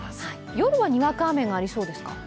夜はにわか雨がありそうですか。